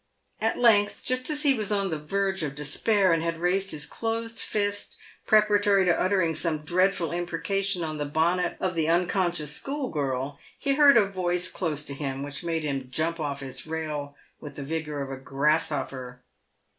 At length, just as he was on the verge of despair, and had raised his closed fist preparatory to uttering some dreadful imprecation on the bonnet of the unconscious school girl, he heard a voice close to PAVED WITH GOLD. 171 him, which made him jump off his rail with the vigour of a grass hopper.